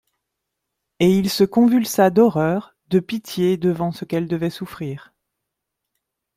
Et il se convulsa d’horreur, de pitié, devant ce qu’elle devait souffrir.